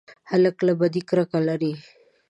هلک له بدۍ کرکه لري.